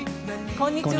こんにちは。